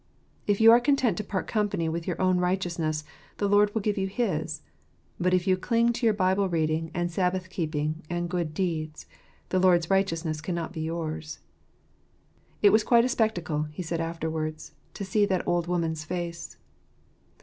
If you are content to part company with your own righteousness, the Lord will give you his ; but if you cling to your Bible reading and Sabbath keeping and good deeds, the Lord's righteousness cannot be yours." It was quite a spectacle, he said afterwards, to see that old woman's face.